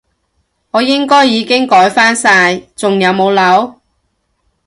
我應該已經改返晒，仲有冇漏？